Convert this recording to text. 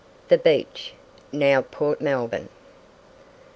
"THE BEACH" (NOW PORT MELBOURNE).